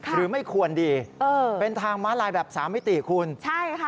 หรือไม่ควรดีเออเป็นทางม้าลายแบบสามมิติคุณใช่ค่ะ